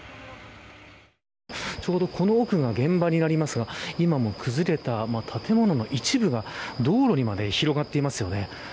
ちょうど、この奥が現場になりますが、今も崩れた建物の一部が道路にまで広がっていますね。